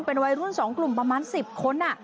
เป็นวัยรุ่น๒กลุ่มประมาณ๑๐คน